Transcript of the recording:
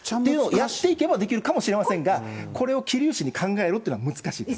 やっていけばできるかもしれませんが、これを桐生市に考えろというのは難しいです。